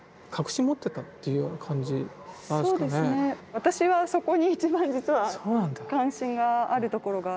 私はそこに一番実は関心があるところがある。